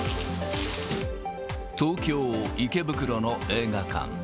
東京・池袋の映画館。